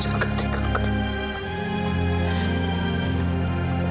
jangan tinggalkan ibu